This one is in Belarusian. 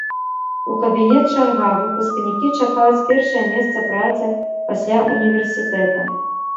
У кабінет чарга, выпускнікі чакаюць першае месца працы пасля ўніверсітэта.